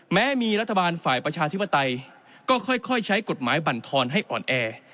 แม้มีรัฐบาลฝ่ายประชาธิปไตยก็ค่อยใช้กฎหมายบรรทอนให้อ่อนแอ